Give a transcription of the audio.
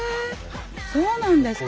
そうなんですか。